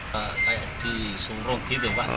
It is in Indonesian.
kayak di suruh gitu pak